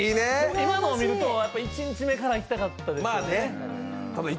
今のを見ると、やっぱり１日目から行きたかったです。